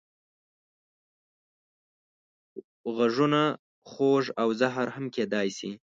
غږونه خوږ او زهر هم کېدای شي